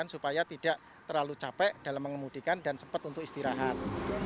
supaya tidak terlalu capek dalam mengemudikan dan sempat untuk istirahat